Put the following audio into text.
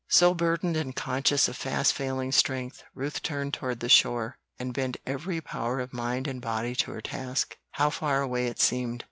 So burdened, and conscious of fast failing strength, Ruth turned toward the shore, and bent every power of mind and body to her task. How far away it seemed!